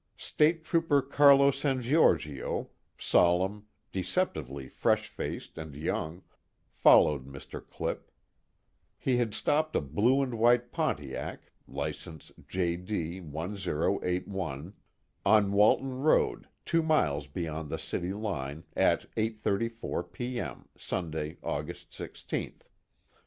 State Trooper Carlo San Giorgio, solemn, deceptively fresh faced and young, followed Mr. Clipp. He had stopped a blue and white Pontiac, license JD1081, on Walton Road two miles beyond the city line, at 8:34 P.M., Sunday, August 16th.